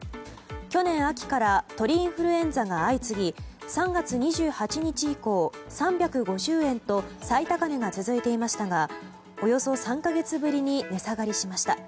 去年秋から鳥インフルエンザが相次ぎ３月２８日以降、３５０円と最高値が続いていましたがおよそ３か月ぶりに値下がりしました。